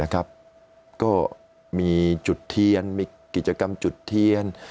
ก็มีจุดเทียนมีกิจกรรมจุดเทียน